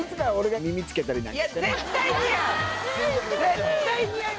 絶対似合う！